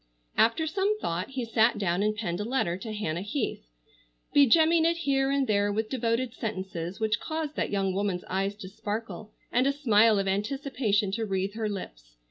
After some thought he sat down and penned a letter to Hannah Heath, begemming it here and there with devoted sentences which caused that young woman's eyes to sparkle and a smile of anticipation to wreathe her lips.